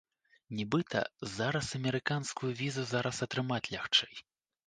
Нібыта, зараз амерыканскую візу зараз атрымаць лягчэй.